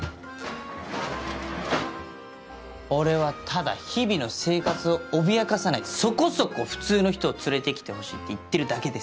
俺はただ日々の生活を脅かさないそこそこフツーの人を連れてきてほしいって言ってるだけです。